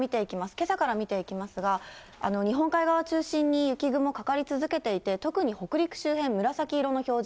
けさから見ていきますが、日本海側中心に、雪雲、かかり続けていて、特に北陸周辺、紫色の表示。